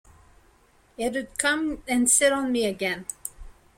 It'd come and sit on me again.